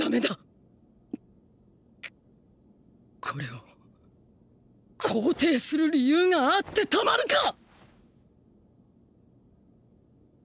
これを肯定する理由があってたまるか！！